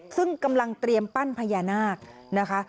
ซึ่งกำลังเตรียมปั้นพญานาคนะคะ